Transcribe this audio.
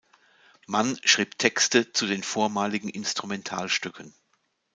Mann schrieb Texte zu den vormaligen Instrumentalstücken.